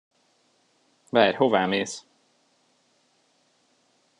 Várj, hova mész?